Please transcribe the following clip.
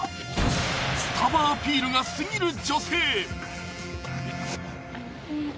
スタバアピールが過ぎる女性